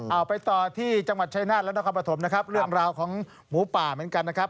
เอาไปต่อที่จังหวัดชายนาฏและนครปฐมนะครับเรื่องราวของหมูป่าเหมือนกันนะครับ